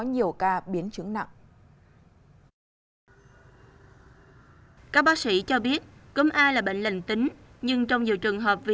nhiều ca biến chứng nặng các bác sĩ cho biết cúm a là bệnh lệnh tính nhưng trong nhiều trường hợp vì